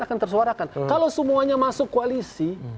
akan tersuarakan kalau semuanya masuk koalisi